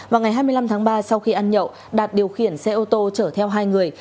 vào ngày hai mươi năm tháng ba sau khi ăn nhậu đạt điều khiển xe ô tô chở theo hai người